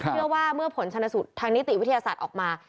เพื่อว่าเมื่อผลชนสูตรทางนิติวิทยาศาสตร์ออกมา